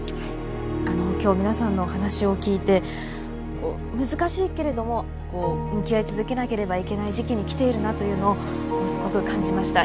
あの今日皆さんのお話を聞いて難しいけれども向き合い続けなければいけない時期に来ているなというのをものすごく感じました。